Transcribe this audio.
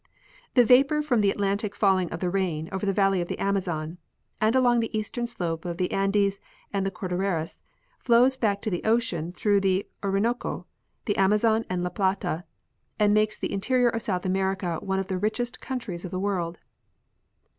The vapor from the Atlantic falling in rain over the valley of the Amazon and along the eastern slope of the Andes and the Cor dilleras flows back to the ocean through the Orinoco, the Amazon and la Plata, and makes the interior of South America one of the richest countries of the world.